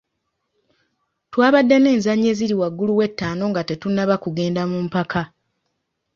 Twabadde n'enzannya eziri waggulu w'etaano nga tetunnaba kugenda mu mpaka.